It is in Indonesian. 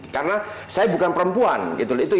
karena saya bukan perempuan gitu